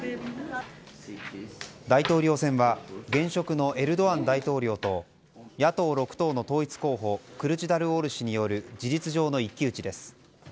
大統領選は現職のエルドアン大統領と野党６党の統一候補クルチダルオール氏による事実上の一騎打ちです。